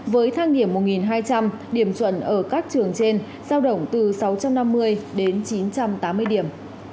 với thang điểm một hai trăm linh điểm chuẩn ở các trường trên giao động từ sáu trăm năm mươi đến chín trăm tám mươi điểm